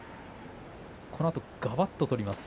そのあと、がばっと取ります